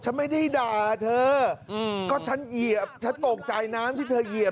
ฉันไม่ได้ด่าเธอก็ฉันเหยียบฉันตกใจน้ำที่เธอเหยียบ